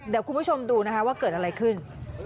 เดี๋ยวคุณผู้ชมดูนะคะว่าเกิดอะไรขึ้น